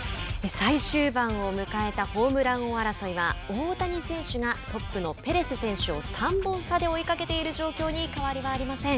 最終盤を迎えたホームラン王争いは大谷選手がトップのペレス選手を３本差で追いかけている状況に変わりはありません。